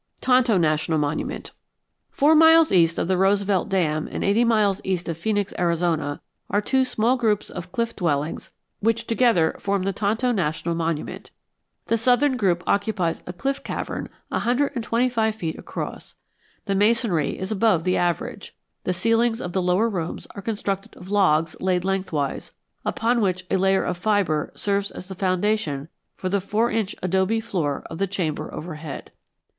TONTO NATIONAL MONUMENT Four miles east of the Roosevelt Dam and eighty miles east of Phoenix, Arizona, are two small groups of cliff dwellings which together form the Tonto National Monument. The southern group occupies a cliff cavern a hundred and twenty five feet across. The masonry is above the average. The ceilings of the lower rooms are constructed of logs laid lengthwise, upon which a layer of fibre serves as the foundation for the four inch adobe floor of the chamber overhead.